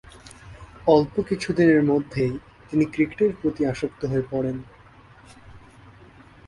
অল্প কিছুদিনের মধ্যেই তিনি ক্রিকেটের প্রতি আসক্ত হয়ে পড়েন।